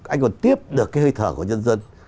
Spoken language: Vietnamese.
anh còn tiếp được cái hơi thở của nhân dân